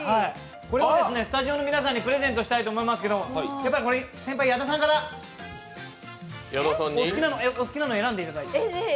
これをスタジオの皆さんにプレゼントしたいと思いますけど、先輩、矢田さんからお好きなのを選んでいただいて。